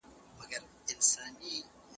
زړه به تش کړم ستا له میني ستا یادونه ښخومه